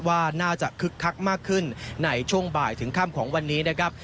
ว่าน่าจะคึกคักมากขึ้นในช่วงบ่ายถึงค่ำของวันนี้นะครับ